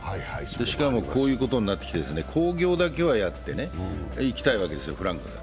しかも、こういうことになってきて興行だけはやっていきたいわけですよ、フランコは。